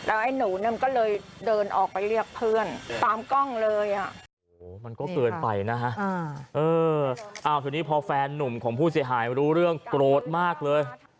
อ้าวทีนี้พอแฟนนุ่มของผู้เสียหายมันรู้เรื่องโกรธมากเลย